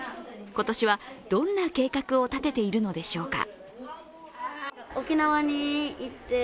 今年はどんな計画を立てているのでしょうか？